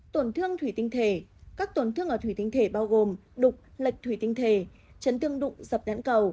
tổn thương thủy tinh thể các tổn thương ở thủy tinh thể bao gồm đục lệch thủy tinh thể chấn tương đụng dập nén cầu